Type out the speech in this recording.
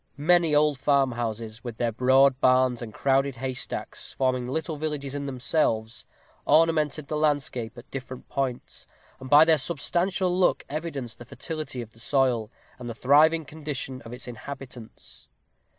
Many old farmhouses, with their broad barns and crowded haystacks forming little villages in themselves ornamented the landscape at different points, and by their substantial look evidenced the fertility of the soil, and the thriving condition of its inhabitants.